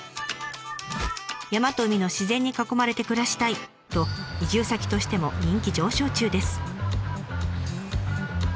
山と海の自然に囲まれて暮らしたいと移住先としても人気上昇中です。